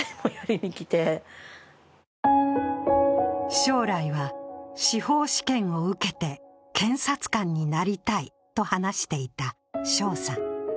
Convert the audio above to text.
将来は、司法試験を受けて検察官になりたいと話していた翔さん。